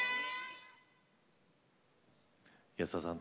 保田さん